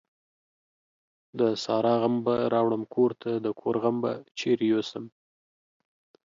د سارا غم به راوړم کورته ، دکور غم به چيري يو سم ؟.